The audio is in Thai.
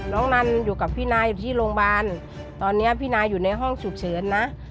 นันอยู่กับพี่นาอยู่ที่โรงพยาบาลตอนนี้พี่นาอยู่ในห้องฉุกเฉินนะ